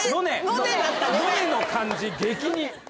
「のね」の感じ激似。